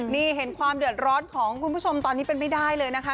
นี่เห็นความเดือดร้อนของคุณผู้ชมตอนนี้เป็นไม่ได้เลยนะคะ